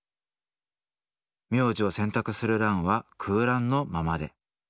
名字を選択する欄は空欄のままで。